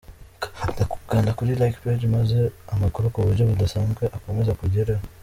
Kanda kuri "Like Page" maze amakuru kuburyo budasanzwe akomeze akugereho.